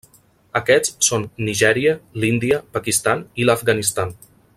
Aquests són Nigèria, l'Índia, Pakistan i l'Afganistan.